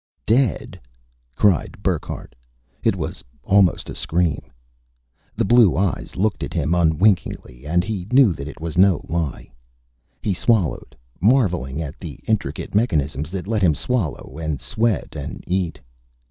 "Dead?" cried Burckhardt; it was almost a scream. The blue eyes looked at him unwinkingly and he knew that it was no lie. He swallowed, marveling at the intricate mechanisms that let him swallow, and sweat, and eat.